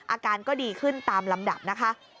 อาการก็ดีขึ้นตามลำดับนะคะ